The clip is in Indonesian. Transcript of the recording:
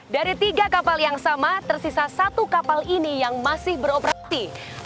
dari tiga kapal yang sama tersisa satu kapal ini yang masih beroperasi